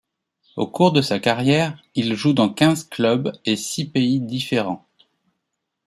Au cours de sa carrière, il joue dans quinze clubs et six pays différents.